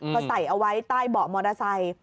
ก็ใส่เอาไว้ใต้เบาะมอเตอร์ไซค์